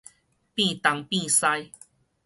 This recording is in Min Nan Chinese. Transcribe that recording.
變東變西